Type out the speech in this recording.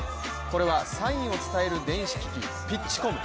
これは、サインを伝える電子機器、ピッチコム。